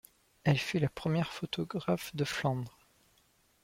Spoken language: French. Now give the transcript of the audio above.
Elle fut la première photographe de Flandres.